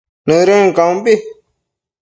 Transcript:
Nëdën caumbi